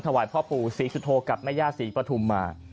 ถวายพ่อปู่ศรีสุโธกับแม่ย่าศรีปฐุมมา